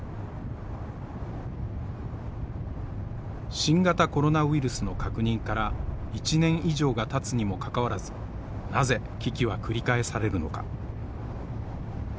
新型コロナウイルスの確認から１年以上がたつにもかかわらずなぜ危機は繰り返されるのか。